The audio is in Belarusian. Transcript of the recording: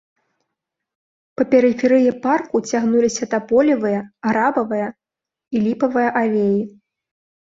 Па перыферыі парку цягнуліся таполевая, грабавая і ліпавая алеі.